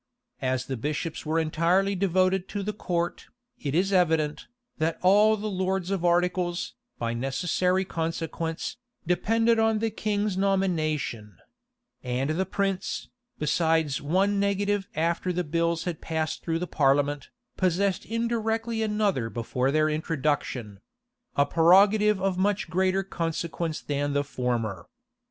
As the bishops were entirely devoted to the court, it is evident, that all the lords of articles, by necessary consequence, depended on the king's nomination; and the prince, besides one negative after the bills had passed through parliament, possessed indirectly another before their introduction; a prerogative of much greater consequence than the former.